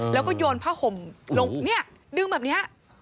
แล้วก็โยนผ้าห่มลงเนี่ยดึงแบบนี้